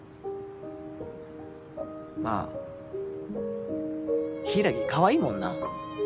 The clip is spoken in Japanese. まぁ柊かわいいもんな。